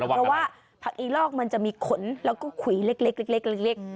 เพราะว่าผักอีลอกมันจะมีขนแล้วก็ขุยเล็ก